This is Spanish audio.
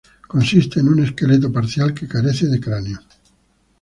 Consiste en un esqueleto parcial que carece del cráneo.